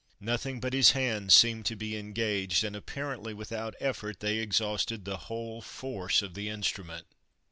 Nothing but his hands seemed to be engaged, and apparently without effort they exhausted the whole force of the instrument.